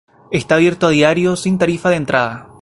Está abierto a diario sin tarifa de entrada.